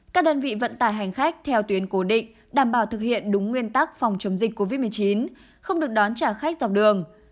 các đơn vị vận tải hành khách theo tuyến cố định đảm bảo thực hiện đúng nguyên tắc phòng chống dịch covid một mươi chín không được đón trả khách dọc đường